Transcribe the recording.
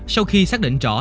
sau khi xác định rõ